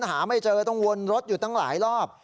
หาไม่เจอต้องวนรถอยู่ตั้งหลายรอบ